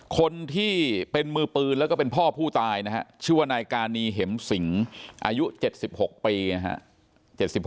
คนที่เป็นมือปืนและเป็นพ่อผู้ตายชื่อวนายกานีเห็มสิงอายุ๗๖ปี